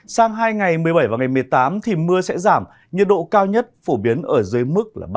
sáng hai ngày một mươi bảy và ngày một mươi tám thì mưa sẽ giảm nhiệt độ cao nhất phổ biến ở dưới mưa